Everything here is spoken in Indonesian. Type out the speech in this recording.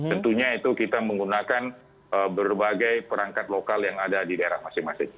tentunya itu kita menggunakan berbagai perangkat lokal yang ada di daerah masing masing